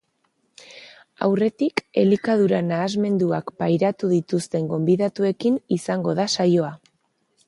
Aurretik, elikadura nahasmenduak pairatu dituzten gonbidatuekin izango da saioa.